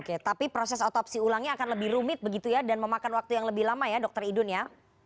oke tapi proses otopsi ulangnya akan lebih rumit begitu ya dan memakan waktu yang lebih lama ya dokter idun ya